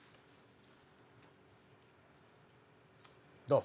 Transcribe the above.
どう？